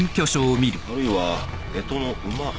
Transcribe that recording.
あるいは干支の午。